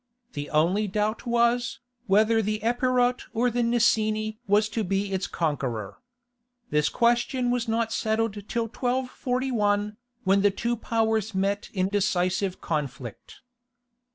The only doubt was, whether the Epirot or the Nicene was to be its conqueror. This question was not settled till 1241, when the two powers met in decisive conflict.